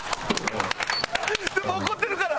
でも怒ってるから。